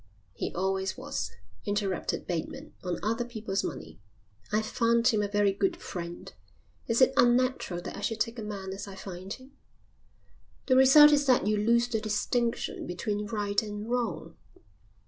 "He always was," interrupted Bateman, "on other people's money." "I've found him a very good friend. Is it unnatural that I should take a man as I find him?" "The result is that you lose the distinction between right and wrong."